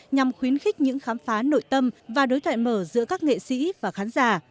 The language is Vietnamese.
nhằm khuyến khích những khám phá nội tâm và đối thoại mở giữa các nghệ sĩ và khán giả